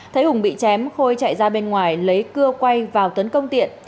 thấy hùng bị chém khôi chạy ra bên ngoài lấy cưa quay vào tấn công tiện